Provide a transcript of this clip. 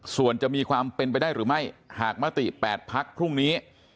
ส่วนจะมีความเป็นไปได้หรือไม่หากมติ๘พักพรุ่งนี้